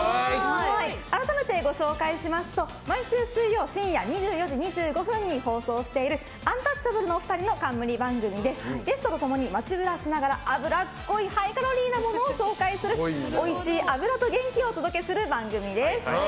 改めてご紹介しますと毎週水曜深夜２４時２５分に放送しているアンタッチャブルのお二人の冠番組でゲストと共に街ブラしながら脂っこいハイカロリーなものを紹介するおいしい脂と元気をお届けする番組です。